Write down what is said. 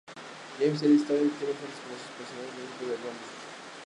James y Alix Strachey tienen fuertes lazos personales con el grupo de Bloomsbury.